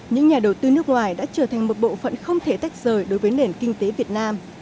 những nhà đầu tư nước ngoài đã trở thành một bộ phận không thể tách rời đối với nền kinh tế việt nam